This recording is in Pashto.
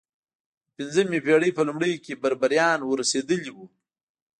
د پنځمې پېړۍ په لومړیو کې بربریان ور رسېدلي وو.